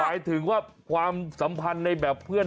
หมายถึงว่าความสัมพันธ์ในแบบเพื่อน